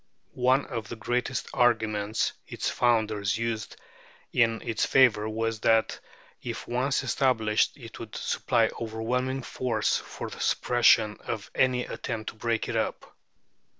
One of the greatest arguments its founders used in its favour was that if once established it would supply overwhelming force for the suppression of any attempt to break it up.